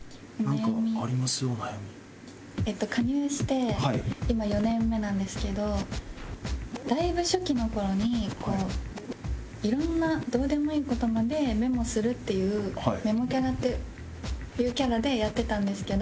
えっと加入して今４年目なんですけどだいぶ初期の頃にこう色んなどうでもいい事までメモするっていうメモキャラっていうキャラでやってたんですけど。